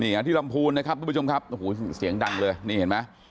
ที่ลำพูนนะครับทุกผู้ชมครับโอ้โหเสียงดังเลยนี่เห็นไหม